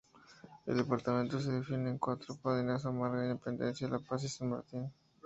El departamento se divide en cuatro pedanías: Amarga, Independencia, La Paz y San Martín.